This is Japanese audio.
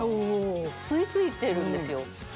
吸いついてるんですよ